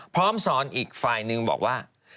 พร้อมสอนอีกไฟล์นึงบอกว่า